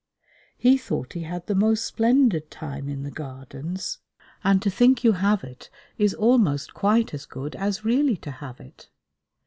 He thought he had the most splendid time in the Gardens, and to think you have it is almost quite as good as really to have it.